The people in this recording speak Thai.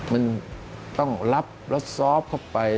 มันต้องรับแล้วซอฟต์เข้าไป